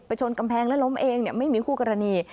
ชนกำแพงและล้มเองไม่มีคู่กรณี